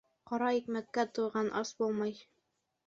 Ҡара икмәккә туйған ас булмай